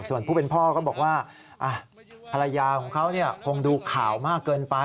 ส่วนผู้เป็นพ่อก็บอกว่าภรรยาของเขาคงดูข่าวมากเกินไป